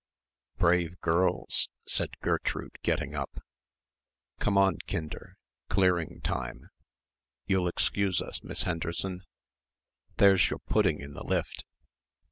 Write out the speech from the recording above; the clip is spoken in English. "Brave girls," said Gertrude, getting up. "Come on, Kinder, clearing time. You'll excuse us, Miss Henderson? There's your pudding in the lift.